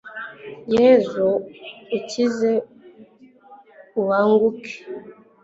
yezu ukiza ubanguke